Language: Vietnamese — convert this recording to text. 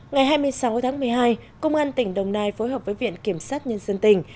ngày hai mươi sáu tháng một mươi hai công an tỉnh đồng nai phối hợp với viện kiểm sát nhân dân tỉnh